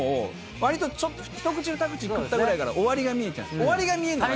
わりと一口二口食ったぐらいから終わりが見えちゃう。